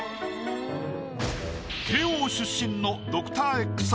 慶應出身の「ドクターＸ」